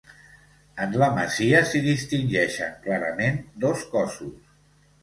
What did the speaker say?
En la masia s'hi distingeixen clarament dos cossos.